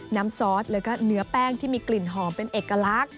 ซอสแล้วก็เนื้อแป้งที่มีกลิ่นหอมเป็นเอกลักษณ์